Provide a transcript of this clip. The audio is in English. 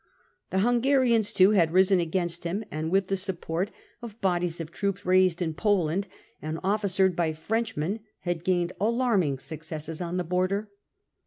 The Hungarians too had risen against him, and with the support of bodies of troops raised in Poland and officered by Frenchmen had gained alarming successes on the Peace border.